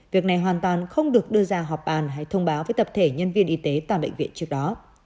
việc này hoàn toàn không được đưa ra họp bàn hay thông báo với tập thể nhân viên y tế tại bệnh viện trước đó